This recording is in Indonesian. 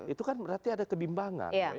itu kan berarti ada kebimbangan